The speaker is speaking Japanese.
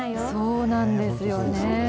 そうなんですよね。